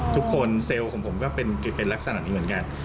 ทุกคนเซลล์ของผมก็เป็นจุดเป็นลักษณะนี้เหมือนกัน